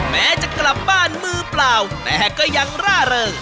แม้จะกลับบ้านมือเปล่าแต่ก็ยังร่าเริง